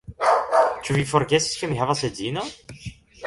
Ĉu vi forgesis ke mi havas edzinon?